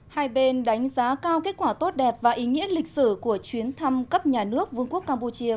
hai bên đánh giá cao kết quả tốt đẹp và ý nghĩa lịch sử của chuyến thăm cấp nhà nước vương quốc campuchia